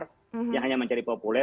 jangan hanya mencari populer